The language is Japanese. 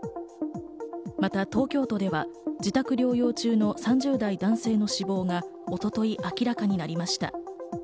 また東京都では自宅療養中の３０代男性の死亡が一昨日、明らかになりました。